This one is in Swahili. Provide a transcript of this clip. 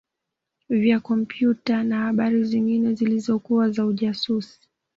vya kompyuta na habari zingine zilizokuwa za ujasusi